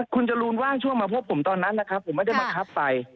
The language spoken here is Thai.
คุณจรูนว่างช่วงมาพบผมตอนนั้นนะครับผมไม่ได้บังคับไป